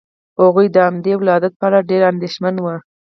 هغوی د همدې ولادت په اړه ډېر اندېښمن وو.